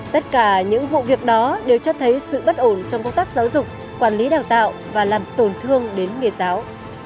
tất cả những vụ việc đó đều cho thấy sự bất ổn trong công tác giáo dục quản lý đào tạo và làm tổn thương đến nghề giáo